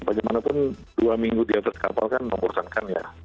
bagaimanapun dua minggu di atas kapal kan membosankan ya